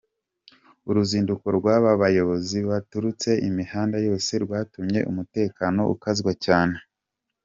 Uruzinduko rw’aba bayobozi baturutse imihanda yose rwatumye umutekano ukazwa cyane.